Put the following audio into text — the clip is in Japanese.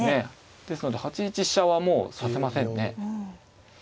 ですので８一飛車はもう指せませんね。